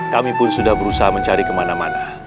kami pun sudah berusaha mencari kemana mana